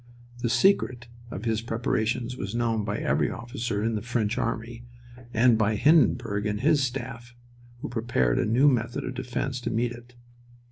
The "secret" of his preparations was known by every officer in the French army and by Hindenburg and his staff, who prepared a new method of defense to meet it.